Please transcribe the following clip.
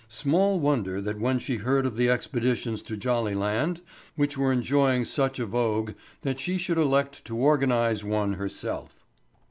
Small wonder that when she heard of the expeditions to Jollyland which were enjoying such a vogue that she should elect to organize one herself.